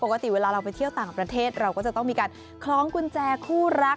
ปกติเวลาเราไปเที่ยวต่างประเทศเราก็จะต้องมีการคล้องกุญแจคู่รัก